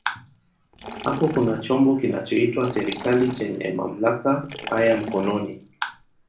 Hapo kuna chombo kinachoitwa serikali chenye mamlaka haya mkononi.